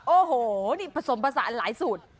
โอ้โหนี่ผสมผสานหลายสูตร